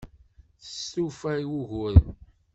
Testufam i wuguren.